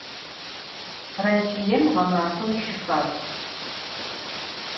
Rossiêm ğemafem şıfab.